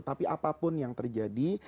tapi apapun yang terjadi